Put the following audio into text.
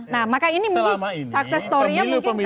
nah maka ini mungkin sukses story nya mungkin